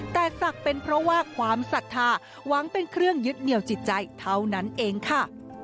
แต่ศักดิ์เป็นเพราะว่าความศรัทธาหวังเป็นเครื่องยึดเหนียวจิตใจเท่านั้นเองค่ะ